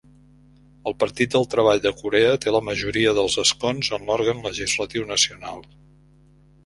El Partit del Treball de Corea té la majoria dels escons en l'òrgan legislatiu nacional.